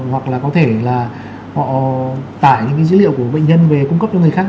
hoặc là có thể là họ tải những cái dữ liệu của bệnh nhân về cung cấp cho người khác